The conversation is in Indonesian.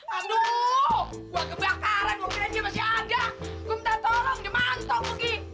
aduh gue kebakaran mungkin aja masih ada gue minta tolong dia mantok pergi